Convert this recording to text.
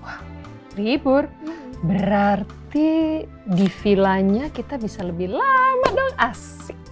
wah libur berarti di villanya kita bisa lebih lama dong asik